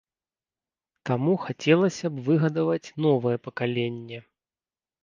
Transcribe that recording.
Таму хацелася б выгадаваць новае пакаленне.